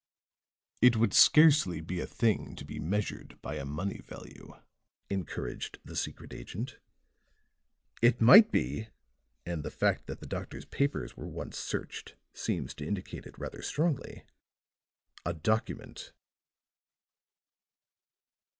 "It would scarcely be a thing to be measured by a money value," encouraged the secret agent. "It might be, and the fact that the doctor's papers were once searched seems to indicate it rather strongly a document."